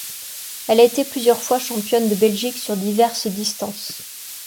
Elle a été plusieurs fois championne de Belgique sur diverses distances.